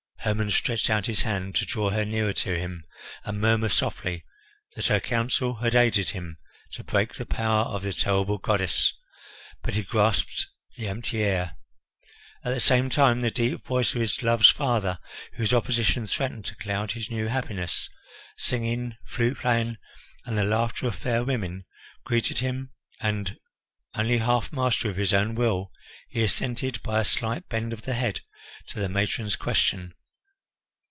Hermon stretched out his hand to draw her nearer to him and murmur softly that her counsel had aided him to break the power of the terrible goddess, but he grasped the empty air. At the same time the deep voice of his love's father, whose opposition threatened to cloud his new happiness, singing, flute playing, and the laughter of fair women greeted him and, only half master of his own will, he assented, by a slight bend of the head, to the matron's question.